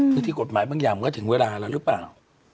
วิธีกฎหมายมึงยัมก็ถึงเวลาแล้วหรือเปล่า